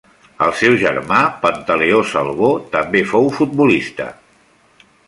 El seu germà Pantaleó Salvó també fou futbolista.